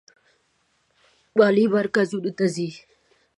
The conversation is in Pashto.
مالي مراکزو ته ځي.